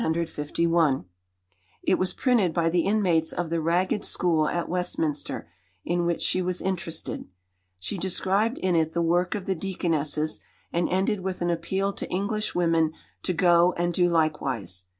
It was printed by the inmates of the Ragged School at Westminster in which she was interested. She described in it the work of the Deaconesses, and ended with an appeal to Englishwomen to go and do likewise.